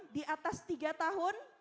di atas tiga tahun